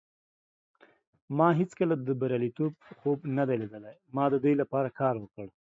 ما هیڅکله د بریالیتوب خوب نه دی لیدلی. ما د دې لپاره کار وکړ.